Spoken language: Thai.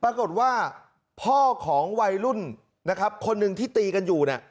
ปรากฏว่าพ่อของวัยรุ่นคนหนึ่งที่ตีกันอยู่